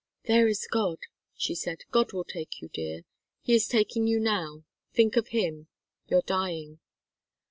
"There is God," she said. "God will take you, dear He is taking you now. Think of Him. You're dying."